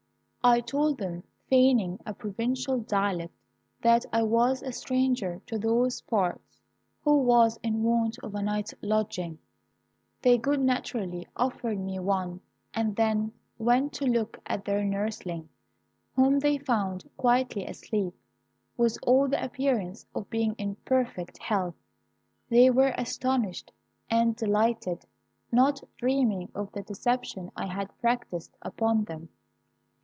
"I told them, feigning a provincial dialect, that I was a stranger to those parts, who was in want of a night's lodging. They good naturedly offered me one, and then went to look at their nursling, whom they found quietly asleep, with all the appearance of being in perfect health. They were astonished and delighted, not dreaming of the deception I had practised upon them.